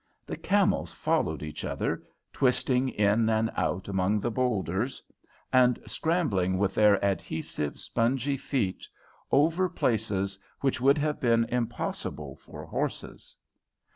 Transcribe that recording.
The camels followed each other, twisting in and out among the boulders, and scrambling with their adhesive, spongy feet over places which would have been impossible for horses.